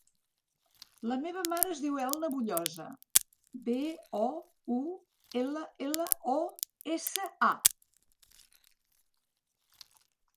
La meva mare es diu Elna Boullosa: be, o, u, ela, ela, o, essa, a.